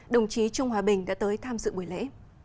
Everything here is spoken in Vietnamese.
đồng chí trung hòa bình đã tới tham dự buổi lễ